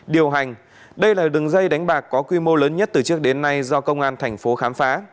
điều hành đây là đường dây đánh bạc có quy mô lớn nhất từ trước đến nay do công an thành phố khám phá